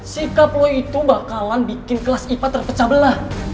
sikap lo itu bakalan bikin kelas ipa terpecah belah